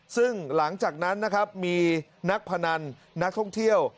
ซึ่งหลังจากนั้นนะครับมีนักพนันนักท่องเที่ยว